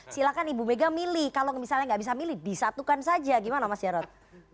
silahkan ibu mega milih kalau misalnya nggak bisa milih disatukan saja gimana mas jarod